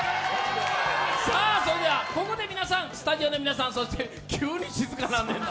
それでは、ここでスタジオの皆さん急に静かになんねんな。